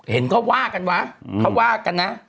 เห็นเขาว่ากันวะเขาว่ากันนะ